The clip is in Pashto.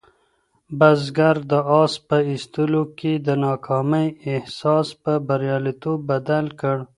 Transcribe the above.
بزګر د آس په ایستلو کې د ناکامۍ احساس په بریالیتوب بدل کړ.